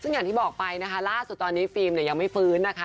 อย่างที่บอกไปนะคะราดแรกสุดตอนนี้ฟีลมยังไม่ฟื้นนะคะ